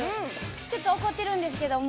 ちょっと怒ってるんですけども。